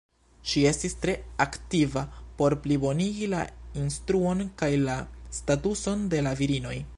Ŝi estis tre aktiva por plibonigi la instruon kaj la statuson de la virinoj.